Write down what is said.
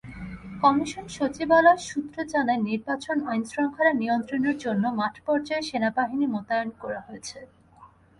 Commission সচিবালয় সূত্র জানায়, নির্বাচনে আইনশৃঙ্খলা নিয়ন্ত্রণের জন্য মাঠপর্যায়ে সেনাবাহিনী মোতায়েন করা হয়েছে।